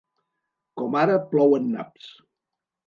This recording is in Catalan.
Com ara plouen naps.